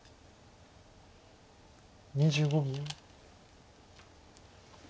２５秒。